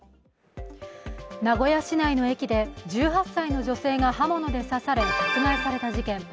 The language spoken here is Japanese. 名古屋市内の駅で１８歳の女性が刃物で刺され殺害された事件。